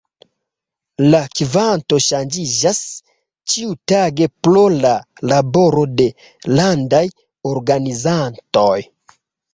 La kvanto ŝanĝiĝas ĉiutage pro la laboro de landaj organizantoj.